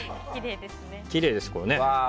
きれいですね。